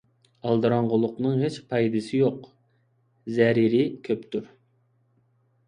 ئالدىراڭغۇلۇقنىڭ ھېچ پايدىسى يوق، زەرىرى كۆپتۇر.